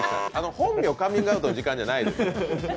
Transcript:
本名カミングアウトの時間じゃないです。